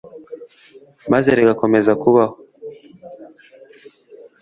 maze rigakomeza kubaho?